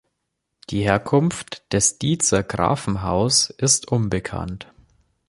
Die Herkunft des Diezer Grafenhaus ist unbekannt.